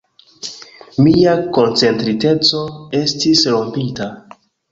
Mia koncentriteco estis rompita.